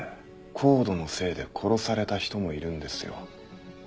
ＣＯＤＥのせいで殺された人もいるんですよ。